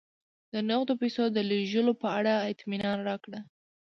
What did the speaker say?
د نغدو پیسو د لېږلو په اړه اطمینان راکړه